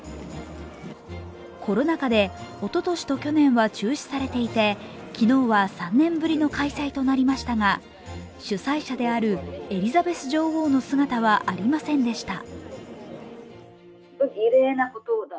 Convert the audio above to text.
コロナ禍で、おととしと去年は中止されていて昨日は３年ぶりの開催となりましたが、主催者であるエリザベス女王の姿はありませんでした。